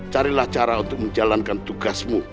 carilah cara untuk menjalankan tugasmu